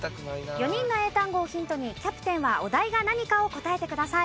４人の英単語をヒントにキャプテンはお題が何かを答えてください。